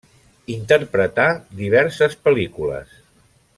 Interpretà diverses pel·lícules.